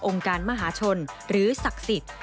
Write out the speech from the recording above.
การมหาชนหรือศักดิ์สิทธิ์